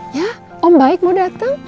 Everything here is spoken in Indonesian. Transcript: ya om baik mau datang